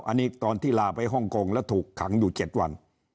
อันนี้ตอนที่ลาไปฮ่องกงแล้วถูกขังอยู่๗วัน